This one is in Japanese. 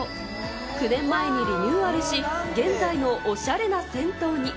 ９年前にリニューアルし、現在のおしゃれな銭湯に。